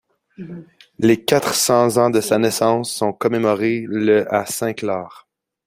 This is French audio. Les quatre cents ans de sa naissance sont commémorés le à Saint-Clar.